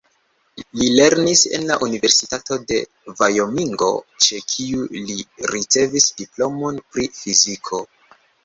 Li lernis en la Universitato de Vajomingo, ĉe kiu li ricevis diplomon pri fiziko.